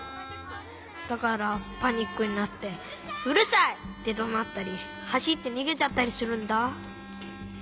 ☎だからパニックになって「うるさい！」ってどなったりはしってにげちゃったりするんだ。